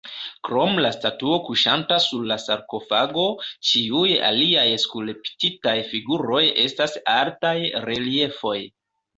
Krom la statuo kuŝanta sur la sarkofago, ĉiuj aliaj skulptitaj figuroj estas altaj reliefoj.